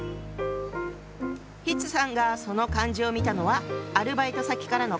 さんがその漢字を見たのはアルバイト先からの帰り道のことよ。